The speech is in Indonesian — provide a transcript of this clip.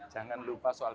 jangan lupa soal